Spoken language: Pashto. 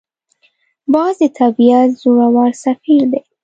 باز د طبیعت زړور سفیر دی